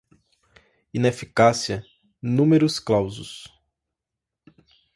ineficácia, numerus clausus